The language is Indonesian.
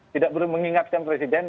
tidak perlu mengingatkan presiden